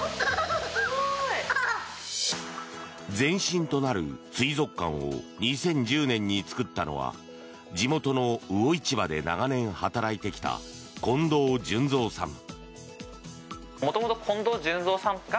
前身となる水族館を２０１０年に作ったのは地元の魚市場で長年働いてきた近藤潤三さん。